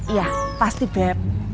iya pasti beb